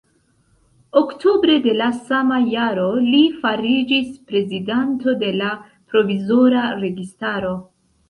Oktobre de la sama jaro li fariĝis prezidanto de la provizora registaro.